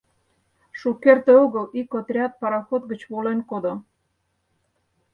— Шукерте огыл ик отряд пароход гыч волен кодо...